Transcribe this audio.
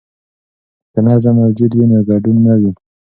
که نظم موجود وي، نو ګډوډي نه وي.